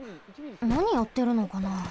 なにやってるのかな？